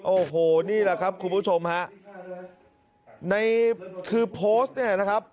โอ้โหนี่แหละครับคุณผู้ชมฮะในคือโพสต์เนี่ยนะครับ